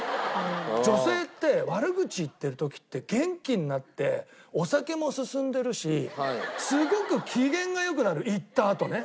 女性って悪口言ってる時って元気になってお酒も進んでるしすごく機嫌が良くなる言ったあとね。